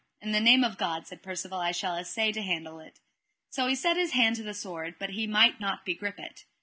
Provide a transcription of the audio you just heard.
In the name of God, said Percivale, I shall assay to handle it. So he set his hand to the sword, but he might not begrip it.